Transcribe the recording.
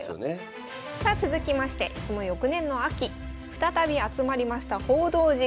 さあ続きましてその翌年の秋再び集まりました報道陣。